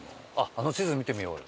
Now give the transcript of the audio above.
あの地図見てみようよ。